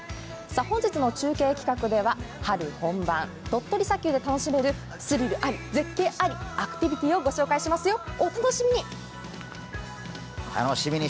本日の中継企画では、春本番、鳥取砂丘で楽しめるスリルあり、絶景あり、アクティビティーをお届けしますよ、お楽しみに！